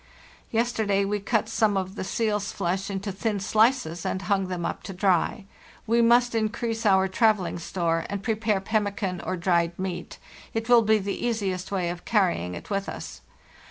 " Yesterday we cut some of the seal's flesh into thin slices and hung them up to dry. We must increase our travelling store and prepare pemmican or dried meat; it will be the easiest way of carrying it with us.